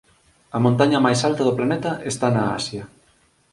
A montaña máis alta do planeta está na Asia